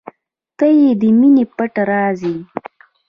• ته د مینې پټ راز یې.